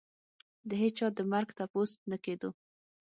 د هېچا د مرګ تپوس نه کېدو.